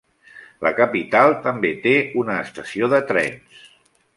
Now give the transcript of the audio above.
La capital també té una estació de trens.